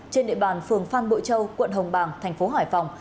trên địa bàn phường phan bội châu quận hồng bàng thành phố hải phòng